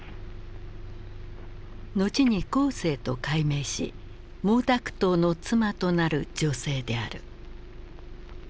後に「江青」と改名し毛沢東の妻となる女性である。